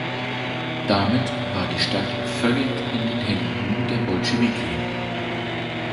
Damit war die Stadt völlig in den Händen der Bolschewiki.